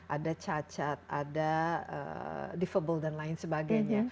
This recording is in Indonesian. ada cacat ada difabel dan lain sebagainya